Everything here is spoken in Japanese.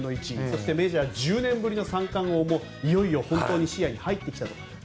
そしてメジャー１０年ぶりの三冠王もいよいよ本当に視野に入ってきたと。